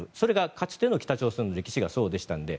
かつての北朝鮮の歴史がそうでしたので。